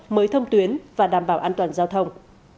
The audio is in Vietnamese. mới thông tuyến và đảm bảo an toàn giao thông